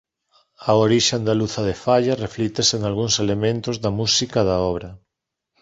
A orixe andaluza de Falla reflíctese nalgúns elementos da música da obra.